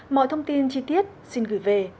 mọi thông tin chi tiết xin gửi về